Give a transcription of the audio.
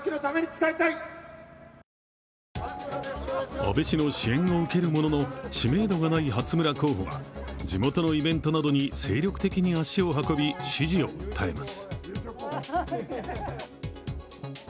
安倍氏の支援を受けるものの知名度がない初村候補は、地元のイベントなどに精力的に足を運び、支持を訴えます。